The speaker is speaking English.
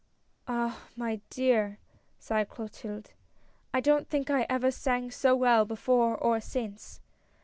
"Ah! my dear," sighed Clotilde, "I don't think I ever sang so well before or since